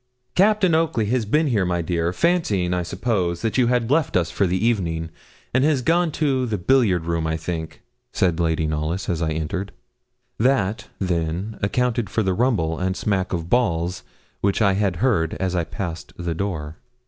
'Captain Oakley has been here, my dear, and fancying, I suppose, that you had left us for the evening, has gone to the billiard room, I think,' said Lady Knollys, as I entered. That, then, accounted for the rumble and smack of balls which I had heard as I passed the door.